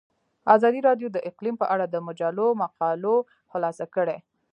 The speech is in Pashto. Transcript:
ازادي راډیو د اقلیم په اړه د مجلو مقالو خلاصه کړې.